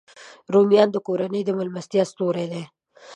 رومیان د کورنۍ د میلمستیا ستوری دی